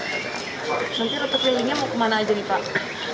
rute perlindungan mau kemana aja nih pak